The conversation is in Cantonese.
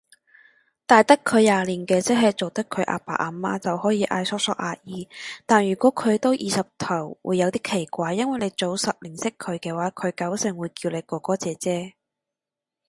大得佢廿年嘅，即係做得佢阿爸阿媽，就可以嗌叔叔姨姨，但如果佢都二十頭會有啲奇怪，因為你早十年識佢嘅話佢九成會叫你哥哥姐姐